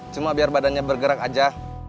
cuma biar badannya bergerak aja